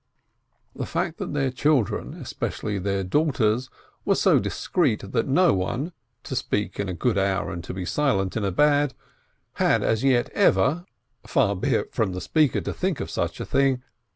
WOMEN 459 The fact that their children, especially their daugh ters, were so discreet that not one (to speak in a good hour and be silent in a bad!) had as yet ever (far be it from the speaker to think of such a thing!)